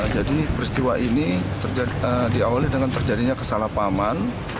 jadi peristiwa ini diawali dengan terjadinya kesalahpahaman